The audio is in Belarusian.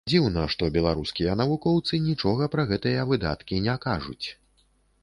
Дзіўна, што беларускія навукоўцы нічога пра гэтыя выдаткі не кажуць.